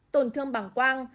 tổn thương bảng quang